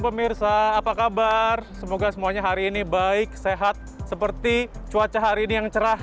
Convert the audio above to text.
pemirsa apa kabar semoga semuanya hari ini baik sehat seperti cuaca hari ini yang cerah